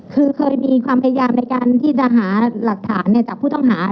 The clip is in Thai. คือเคยมีความพยายามในการที่จะหาหลักฐานจากผู้ต้องหา